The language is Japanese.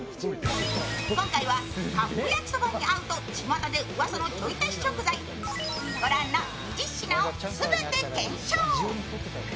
今回は、カップ焼きそばに合うとちまたでうわさのちょい足し食材ご覧の２０品を全て検証。